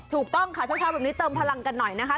ถูกต้องค่ะเช้าแบบนี้เติมพลังกันหน่อยนะคะ